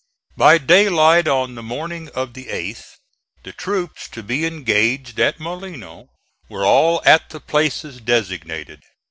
By daylight on the morning of the 8th, the troops to be engaged at Molino were all at the places designated.